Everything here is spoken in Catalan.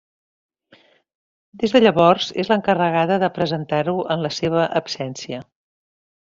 Des de llavors és l'encarregada de presentar-ho en la seva absència.